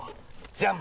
じゃん！